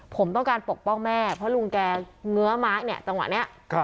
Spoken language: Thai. ผมต้องการปกป้องแม่เพราะลุงแกเงื้อไม้เนี่ยจังหวะนี้